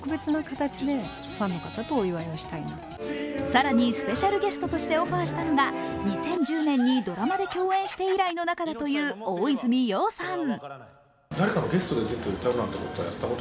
更に、スペシャルゲストとしてオファーしたのが２０１０年にドラマで共演して以来の仲だという大泉洋さん。